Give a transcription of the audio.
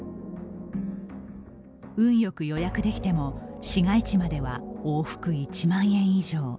運よく予約できても市街地までは往復１万円以上。